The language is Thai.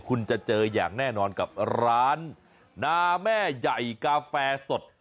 คุณจะเจออย่างแน่นอนกับร้านนาแม่ใหญ่กาแฟสด